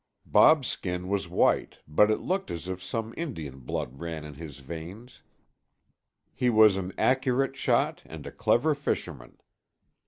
Bob's skin was white, but it looked as if some Indian blood ran in his veins. He was an accurate shot and a clever fisherman.